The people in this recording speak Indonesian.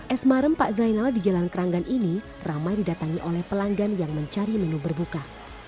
es marem pak zainal di jalan keranggan ini ramai didatangi oleh pelanggan yang mencari menu berbuka